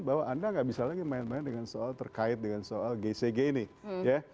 bahwa anda nggak bisa lagi main main dengan soal terkait dengan soal gcg ini ya